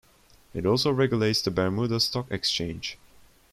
It also regulates the Bermuda Stock Exchange.